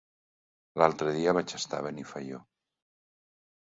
L'altre dia vaig estar a Benifaió.